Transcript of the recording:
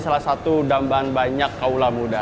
salah satu dambahan banyak kaula muda